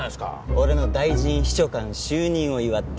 俺の大臣秘書官就任を祝って。